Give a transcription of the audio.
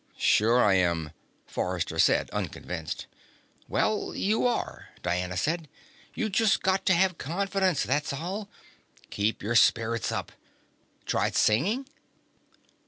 "Sure I am," Forrester said, unconvinced. "Well, you are," Diana said. "You just got to have confidence, that's all. Keep your spirits up. Tried singing?"